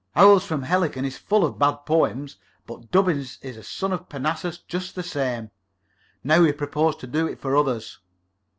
Howls from Helicon is full of bad poems, but Dubbins is a son of Parnassus just the same. Now we propose to do it for others.